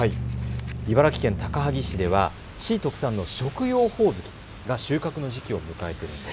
茨城県高萩市では市特産の食用ほおずきが収穫の時期を迎えています。